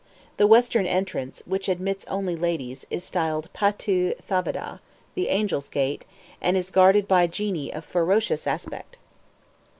The western entrance, which admits only ladies, is styled Patoo Thavâdah, "The Angels' Gate," and is guarded by genii of ferocious aspect.